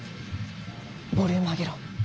ボリューム上げろ。